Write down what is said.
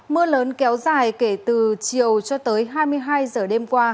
mưa lớn kéo dài kể từ chiều cho tới hai mươi hai giờ đêm qua